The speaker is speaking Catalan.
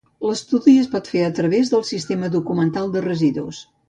L'estudi es pot fer a través del Sistema Documental de Residus.